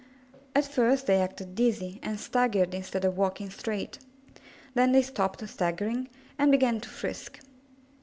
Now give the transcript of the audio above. At first they acted dizzy, and staggered instead of walking straight; then they stopped staggering and began to frisk.